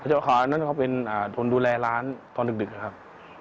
ฐานรัฐนั้นเค้าทนดูแลร้านตอนดึกกรดึกเลยครับ